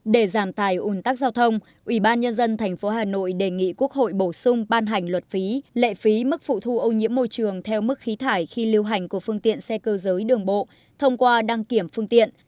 để giảm tài ùn tắc giao thông ủy ban nhân dân tp hà nội đề nghị quốc hội bổ sung ban hành luật phí lệ phí mức phụ thu ô nhiễm môi trường theo mức khí thải khi lưu hành của phương tiện xe cơ giới đường bộ thông qua đăng kiểm phương tiện